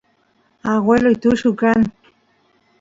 agueloy tullu kan